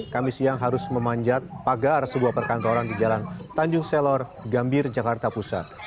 kami siang harus memanjat pagar sebuah perkantoran di jalan tanjung selor gambir jakarta pusat